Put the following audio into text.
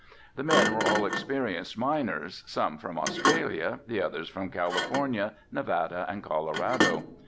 The men were all experienced miners, some from Australia, the others from California, Nevada and Colorado.